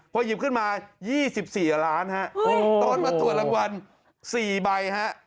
พอหยิบขึ้นมา๒๔ล้านฮะตอนมาตรวจรางวัล๔ใบฮะ